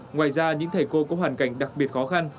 ngoài ra những thầy cô có hoàn cảnh đặc biệt khó khăn